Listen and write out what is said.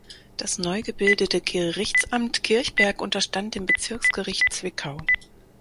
Das neu gebildete Gerichtsamt Kirchberg unterstand dem Bezirksgericht Zwickau.